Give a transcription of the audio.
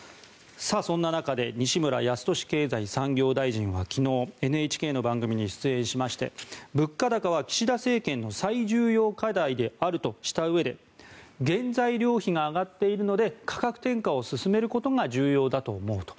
そんな中で西村康稔経済産業大臣は昨日ＮＨＫの番組に出演しまして物価高は岸田政権の最重要課題であるとしたうえで原材料費が上がっているので価格転嫁を進めることが重要だと思うと。